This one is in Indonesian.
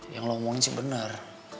yang lo omongin sih bener